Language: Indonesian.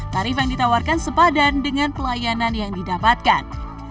tarif yang ditawarkan sepadan dengan pelayanan yang didapatkan